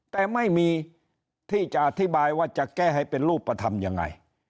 แต่ไม่มีที่จะอธิบายว่าจะแก้ให้เป็นรูปธรรมยังไง